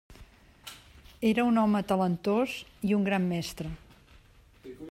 Era un home talentós i un gran mestre.